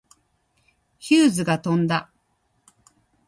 ヒューズが飛んだ。